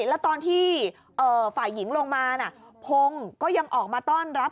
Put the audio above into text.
แล้วตอนที่ฝ่ายหญิงลงมาพงศ์ก็ยังออกมาต้อนรับ